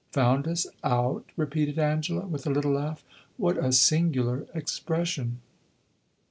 "Found us out?" repeated Angela, with a little laugh. "What a singular expression!"